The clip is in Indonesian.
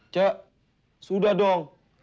cek sudah dong